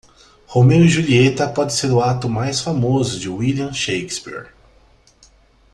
Romeu e Julieta pode ser o ato mais famoso de William Shakespeare.